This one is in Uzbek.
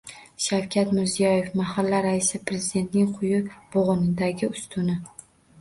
Shavkat Mirziyoyev: Mahalla raisi – Prezidentning quyi bo‘g‘indagi ustuni